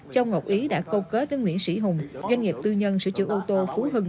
châu ngọc ý đã câu kết với nguyễn sĩ hùng doanh nghiệp tư nhân sửa chữa ô tô phú hưng